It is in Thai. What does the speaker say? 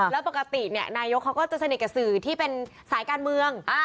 แล้วปกตินายกเขาก็จะสนิทกับสื่อที่เป็นสายการเมือง